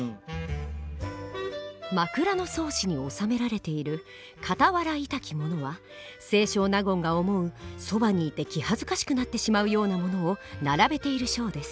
「枕草子」に収められている「かたはらいたきもの」は清少納言が思うそばにいて気はずかしくなってしまうようなものを並べている章です。